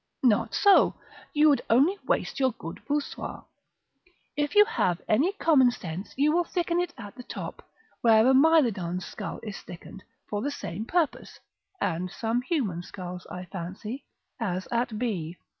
Not so; you would only waste your good voussoirs. If you have any common sense you will thicken it at the top, where a Mylodon's skull is thickened for the same purpose (and some human skulls, I fancy), as at b.